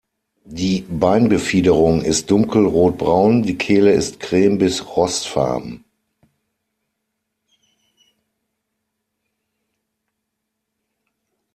Die Beinbefiederung ist dunkelrotbraun, die Kehle ist creme- bis rostfarben.